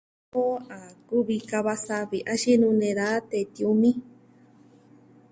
Iyo a kuvi kava savi axin nuu nee da tee tiumi.